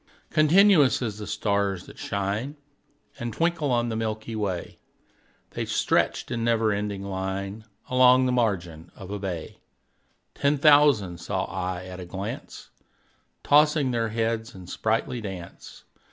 Continuous as the stars that shine And twinkle on the milky way, The stretched in never ending line Along the margin of a bay: Ten thousand saw I at a glance, Tossing their heads in sprightly dance.